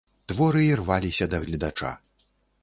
Творы ірваліся да гледача.